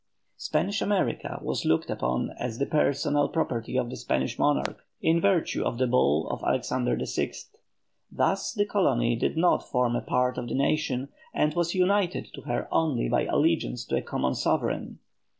Spanish America was looked upon as the personal property of the Spanish monarch, in virtue of the Bull of Alexander VI. Thus the colony did not form a part of the nation, and was united to her only by allegiance to a common sovereign.